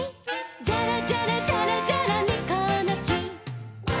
「ジャラジャラジャラジャラネコのき」